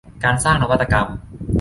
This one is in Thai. การสร้างนวัตกรรม